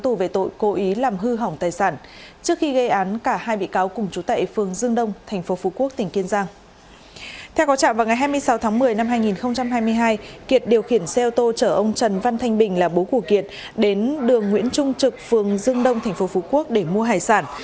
theo có trạm vào ngày hai mươi sáu tháng một mươi năm hai nghìn hai mươi hai kiệt điều khiển xe ô tô chở ông trần văn thanh bình là bố của kiệt đến đường nguyễn trung trực phường dương đông tp phú quốc để mua hải sản